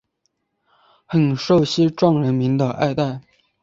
很受西藏人民的爱戴。